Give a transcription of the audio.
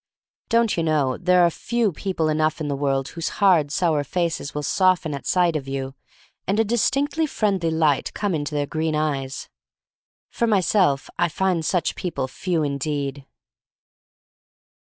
Don't you know, there are few people enough in the world whose hard, sour faces will soften at sight of you and a distinctly friendly light come into their green eyes. For myself, I find such people few indeed.